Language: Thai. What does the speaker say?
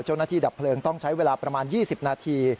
เจ้าหน้าที่ดับเพลิงต้องใช้เวลาประมาณ๒๐นาที